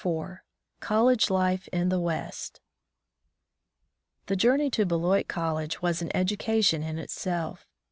50 IV COLLEGE LIFE IN THE WEST npHE journey to Beloit College was an ^ education in itself.